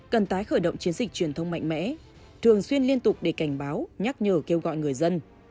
cần tái khởi động chiến dịch truyền thông mạnh mẽ thường xuyên liên tục để cảnh báo nhắc nhở kêu gọi người dân